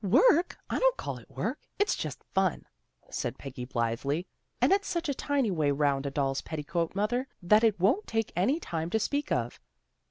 " Work! I don't call it work. It's just fun," said Peggy blithely. " And it's such a tiny way round a doll's petticoat, mother, that it won't take any time to speak of."